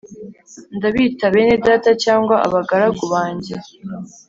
Ndabita bene data cyangwa abagaragu banjye